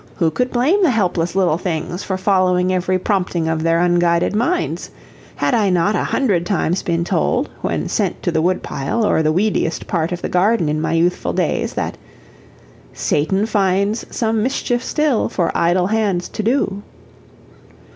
Who could blame the helpless little things for following every prompting of their unguided minds? Had I not a hundred times been told, when sent to the wood pile or the weediest part of the garden in my youthful days, that "Satan finds some mischief still For idle hands to do?"